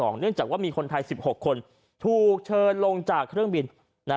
เนื่องจากว่ามีคนไทย๑๖คนถูกเชิญลงจากเครื่องบิน